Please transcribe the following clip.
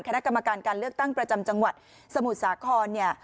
คณะกรรมการการเลือกตั้งประจำจังหวัดสมุทรสาครเนี่ย